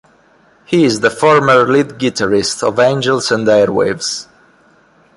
He is the former lead guitarist of Angels and Airwaves.